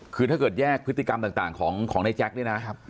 คือถ้าเกิดแยกพฤติกรรมต่างของนายแจ๊คเนี่ยนะ